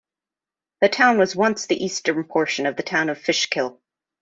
The town was once the eastern portion of the town of Fishkill.